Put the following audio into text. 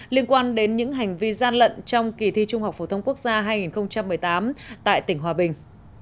liên quan đến những hành vi gian lận trong kỳ thi trung học phổ thông quốc gia hai nghìn một mươi tám tại tỉnh hòa bình